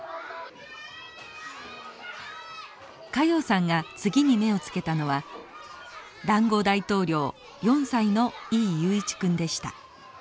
加用さんが次に目をつけたのはだんご大統領４歳の井雄一君でした。